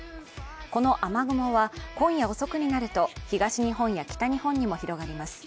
この雨雲は今夜遅くになると東日本や北日本にも広がります。